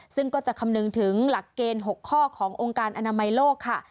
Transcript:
ซึ่งก็จะคำนึงถึงหลักเกณฑ์๖ข้อขององค์การอนามัยโลกค่ะ